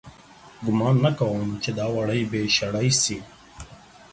گومان نه کوم چې دا وړۍ به شړۍ سي